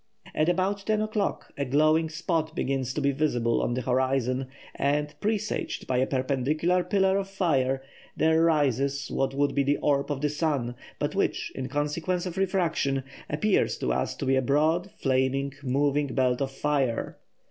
At about ten o'clock a glowing spot begins to be visible on the horizon, and, presaged by a perpendicular pillar of fire, there rises what would be the orb of the sun, but which, in consequence of refraction, appears to us to be a broad flaming moving belt of fire.